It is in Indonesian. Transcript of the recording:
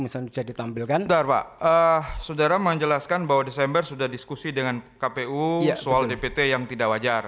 sebentar pak saudara menjelaskan bahwa desember sudah diskusi dengan kpu soal dpt yang tidak wajar